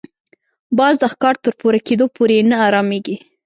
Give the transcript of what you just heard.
باز د ښکار تر پوره کېدو پورې نه اراميږي